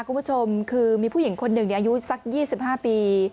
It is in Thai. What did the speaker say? คุณผู้ชมคือมีผู้หญิงคนหนึ่งอายุสัก๒๕ปี